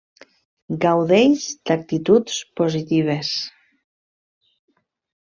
Gaudeix d'actituds positives.